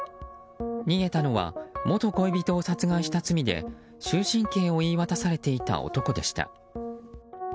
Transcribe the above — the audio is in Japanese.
逃げたのは元恋人を殺害した罪で終身刑を言い渡されていた男でした。